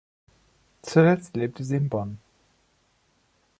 Zuletzt lebte sie in Bonn.